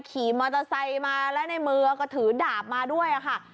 ขี่มอเตอร์ไซค์มาแล้วในมือก็ถือดาบมาด้วยค่ะ